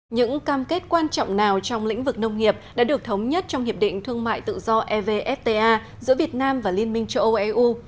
những cam kết quan trọng nào trong lĩnh vực nông nghiệp đã được thống nhất trong hiệp định thương mại tự do evfta giữa việt nam và liên minh châu âu eu